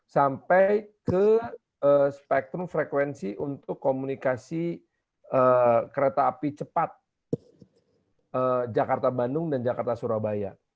sampai ke spektrum frekuensi untuk komunikasi kereta api cepat jakarta bandung dan jakarta surabaya